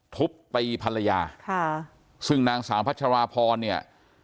ทุบตีภรรยาค่ะซึ่งนางสาวพัชราพรเนี่ย